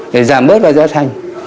để giảm bớt vai giá thanh